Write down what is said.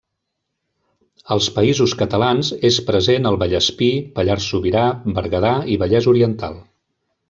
Als Països Catalans és present al Vallespir, Pallars Sobirà, Berguedà i Vallès Oriental.